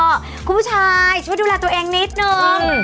ก็ผู้ชายช่วยดูแลตัวเองนิดนึง